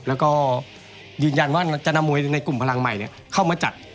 แล้วก็ยืนยันว่าจะนำมวยในกลุ่มพลังใหม่เข้ามาจัด